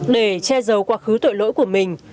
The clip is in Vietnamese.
để che giấu quá khứ tội lỗi của mình